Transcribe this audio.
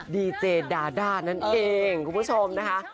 ดีเจดาด้านั่นเองคุณผู้ชมนะคะ